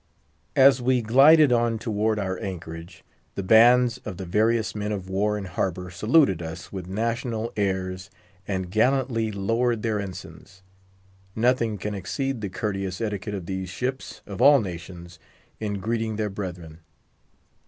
As we glided on toward our anchorage, the bands of the various men of war in harbour saluted us with national airs, and gallantly lowered their ensigns. Nothing can exceed the courteous etiquette of these ships, of all nations, in greeting their brethren.